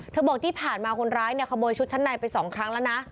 เธอบอกที่ผ่านมาคนร้ายขโมยชุดชั้นในไปสองครั้งแล้วนะ